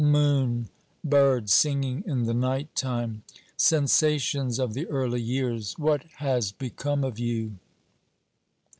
Moon! Birds singing in the night time ! Sensations of the early years, what has become of you